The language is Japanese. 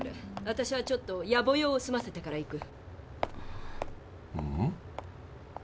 私はちょっとやぼ用を済ませてから行く。